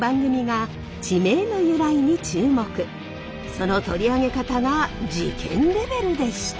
その取り上げ方が事件レベルでした。